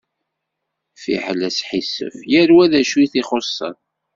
Fiḥel asḥisef, yal wa d acu i t-ixuṣen.